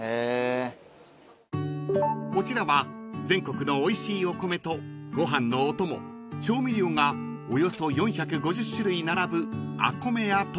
［こちらは全国のおいしいお米とご飯のお供調味料がおよそ４５０種類並ぶ］